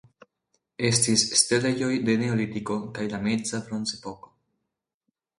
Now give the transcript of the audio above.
Estis setlejoj de Neolitiko kaj de Meza Bronzepoko.